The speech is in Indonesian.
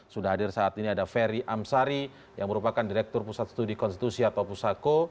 sudah hadir saat ini ada ferry amsari yang merupakan direktur pusat studi konstitusi atau pusako